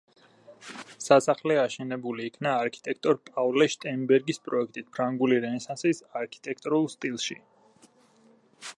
სასახლე აშენებული იქნა არქიტექტორ პავლე შტერნბერგის პროექტით „ფრანგული რენესანსის“ არქიტექტურულ სტილში.